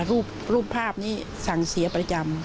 รูปภาพนี้สั่งเสียประจำ